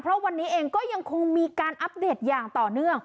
เพราะวันนี้เองก็ยังคงมีการอัปเดตอย่างต่อเนื่อง